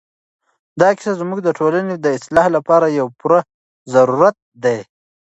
دا کیسه زموږ د ټولنې د اصلاح لپاره یو پوره ضرورت دی.